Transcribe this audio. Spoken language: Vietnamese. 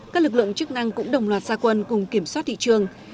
các lực lượng chức năng cũng đồng loạt gia quân cùng kiểm soát thị trường